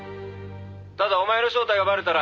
「ただお前の正体がバレたら」